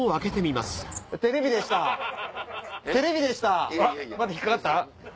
また引っ掛かった？